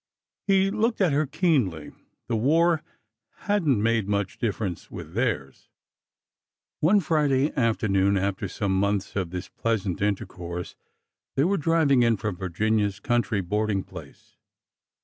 He looked at her keenly. The war had n't made much difference with theirs. One Friday afternoon, after some months of this pleas ant intercourse, they were driving in from Virginia's country boarding place.